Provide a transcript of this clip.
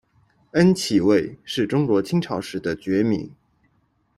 恩骑尉，是中国清朝时的爵名。